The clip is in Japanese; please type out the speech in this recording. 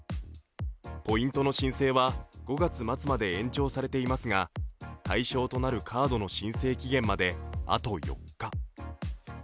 ポイントの申請は５月末まで延長されていますが対象となるカードの申請期限まであと４日。